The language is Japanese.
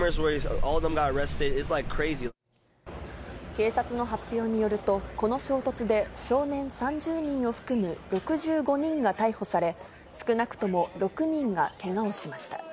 警察の発表によると、この衝突で少年３０人を含む６５人が逮捕され、少なくとも６人がけがをしました。